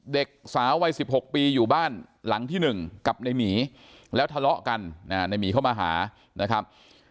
เด็กสาววัย๑๖ปีอยู่บ้านหลังที่๑กับในหมีแล้วทะเลาะกันในหมีเข้ามาหานะครับ